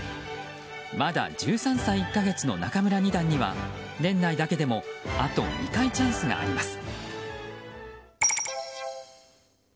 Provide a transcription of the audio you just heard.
まだ１３歳１か月の仲邑二段には年内だけでもあと２回チャンスがあります。